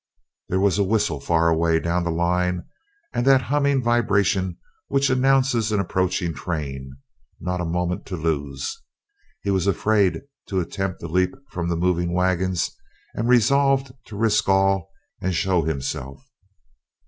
There was a whistle far away on the down line, and that humming vibration which announces an approaching train: not a moment to lose he was afraid to attempt a leap from the moving waggons, and resolved to risk all and show himself.